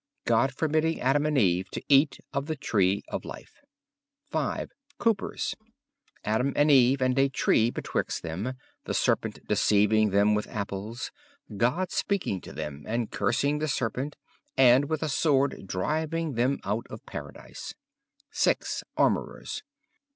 God forbidding Adam and Eve to eat of the tree of life. 5. Coopers. Adam and Eve and a tree betwixt them; the serpent deceiving them with apples; God speaking to them and cursing the serpent, and with a sword driving them out of paradise. 6. Armourers.